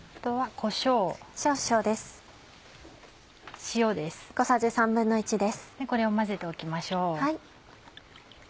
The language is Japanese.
これを混ぜておきましょう。